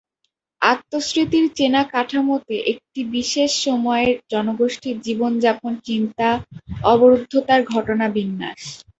আত্মস্মৃতির চেনা কাঠামোতে একটি বিশেষ সময়ের জনগোষ্ঠীর জীবনযাপন, চিন্তা, অবরুদ্ধতার ঘটনাবিন্যাস।